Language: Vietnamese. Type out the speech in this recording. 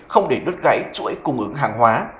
không để đứt gãy chuỗi cung ứng hàng hóa